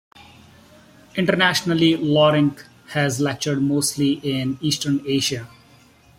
Internationally, Lorenc has lectured mostly in Eastern Asia.